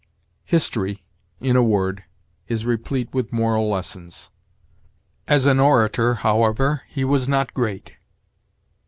"History, in a word, is replete with moral lessons." "As an orator, however, he was not great."